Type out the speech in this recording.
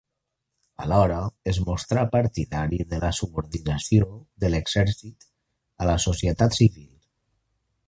Alhora es mostrà partidari de la subordinació de l'exèrcit a la societat civil.